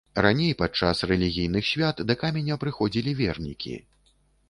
Раней падчас рэлігійных свят да каменя прыходзілі вернікі.